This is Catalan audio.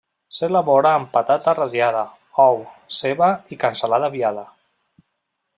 S'elabora amb patata ratllada, ou, ceba i cansalada viada.